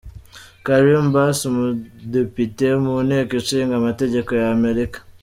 Karen Bass umudepite mu Nteko Nshinga mategeko y’America